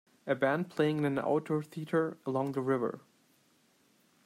A band playing in an outdoor theater, along the river.